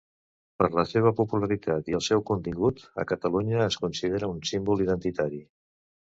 Per la seva popularitat i el seu contingut, a Catalunya es considera un símbol identitari.